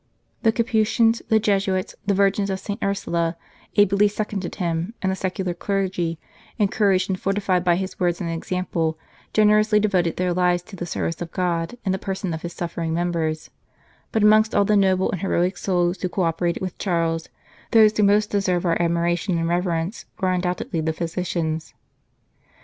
The Capuchins, the Jesuits, the Virgins of St. Ursula, ably seconded him, and the secular clergy, encouraged and fortified by his words and example, generously devoted their lives to the service of God in the person of His suffer ing members ; but amongst all the noble and heroic souls who co operated with Charles, those who most deserve our admiration and reverence were undoubtedly the physicians.